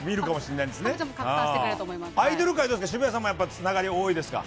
アイドル界、渋谷さんもつながり多いですか。